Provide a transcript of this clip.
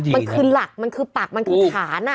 มันคือหลักมันคือปักมันคือฐาน